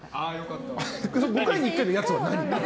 ５回に１回のやつは何？